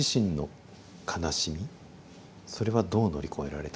それはどう乗り越えられたんですか？